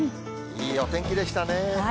いいお天気でしたね。